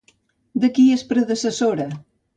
De qui és predecessora?